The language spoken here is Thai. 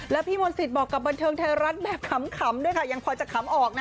แล้วพี่มนต์สิทธิ์บอกกับบันเทิงไทยรัฐแบบขำด้วยค่ะยังพอจะขำออกนะ